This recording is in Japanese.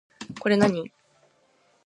これ何